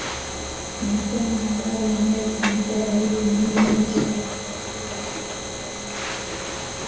Anasema habari anayoikumbuka zaidi ni ile aliyoiandika akiwa Makete mkoani Iringa